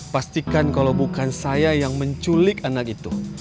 pastikan kalau bukan saya yang menculik anak itu